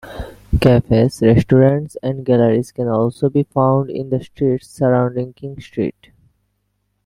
Cafes, restaurants and galleries can also be found in the streets surrounding King Street.